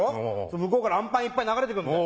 向こうからアンパンいっぱい流れて来るんだよ。